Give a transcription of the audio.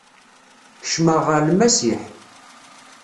Kecmeɣ ɣer Lmasiḥ.